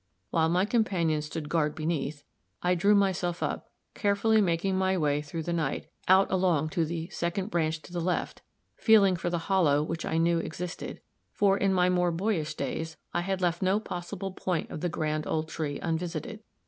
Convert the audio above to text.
While my companion stood on guard beneath, I drew myself up, carefully making my way through the night, out along to the "second branch to the left," feeling for the hollow which I knew existed for, in my more boyish days, I had left no possible point of the grand old tree unvisited.